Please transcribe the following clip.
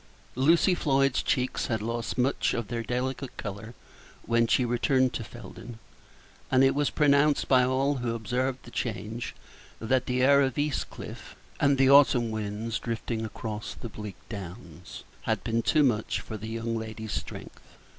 Lucy Floyd's cheeks had lost much of their delicate color when she returned to Felden and it was pronounced by all who observed the change that the air of East Cliff, and the autumn winds drifting across the bleak downs, had been too much for the young lady's strength.